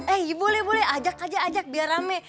eh boleh boleh ajak aja ajak biar rame